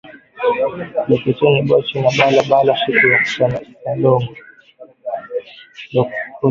Lokoteni buchafu mu bala bala shiku ya salongo